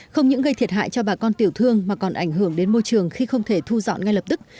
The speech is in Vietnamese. không những gây thiệt hại cho bà con tiểu thương mà còn ảnh hưởng đến môi trường khi không thể thu dọn ngay lập tức